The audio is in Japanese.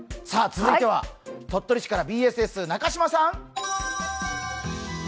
続いては、鳥取市からＢＳＳ・中島さん。